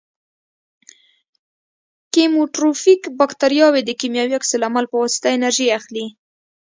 کیموټروفیک باکتریاوې د کیمیاوي عکس العمل په واسطه انرژي اخلي.